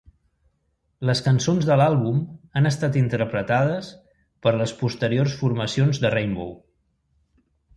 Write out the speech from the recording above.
Les cançons de l'àlbum han estat interpretades per les posteriors formacions de Rainbow.